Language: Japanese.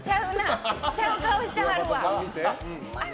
ちゃう顔してはるわ。